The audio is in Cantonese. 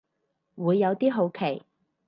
會有啲好奇